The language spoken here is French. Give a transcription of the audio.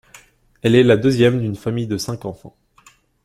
Elle est la deuxième d'une famille de cinq enfants.